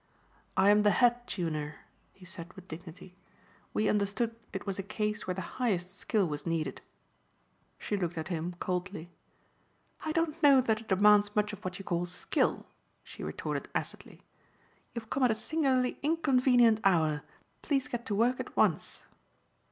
"I am the head tuner," he said with dignity, "we understood it was a case where the highest skill was needed." She looked at him coldly. "I don't know that it demands much of what you call skill," she retorted acidly. "You have come at a singularly inconvenient hour. Please get to work at once."